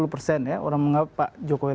dua puluh persen ya orang menganggap pak jokowi